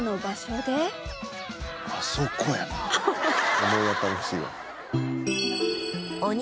あそこやな。